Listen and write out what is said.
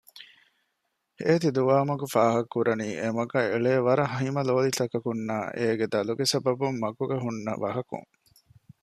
އޭތި ދުވާމަގު ފާހަކަކުރަނީ އެމަގަށް އެޅޭ ވަރަށް ހިމަލޯލިތަކަކުންނާ އޭގެ ދަލުގެ ސަބަބުން މަގުގައި ހުންނަ ވަހަކުން